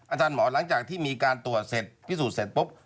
อาจารย์หมอหลังจากที่มีการตรวจเสร็จพิสูจน์เสร็จปุ๊บ